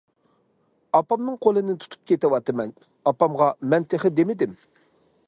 ئاپامنىڭ قولىنى تۇتۇپ كېتىۋاتىمەن، ئاپامغا مەن تېخى دېمىدىم.